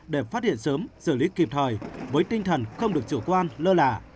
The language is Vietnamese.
để phát hiện sớm xử lý kịp thời với tinh thần không được chủ quan lơ là